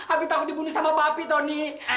abi takut dibunuh sama papi tony